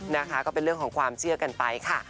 นะคะก็เป็นเรื่องของความเชื่อกันไปค่ะ